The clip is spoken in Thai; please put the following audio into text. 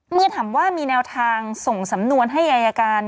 เมื่อถามว่ามีแนวทางส่งสำนวนให้อายการ